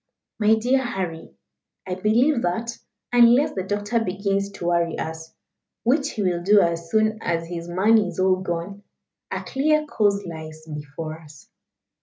My dear Harry, I believe that, unless the doctor begins to worry us which he will do as soon as his money is all gone a clear course lies before us.